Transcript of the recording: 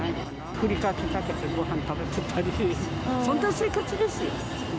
ふりかけかけてごはん食べてたり、そんな生活ですよ。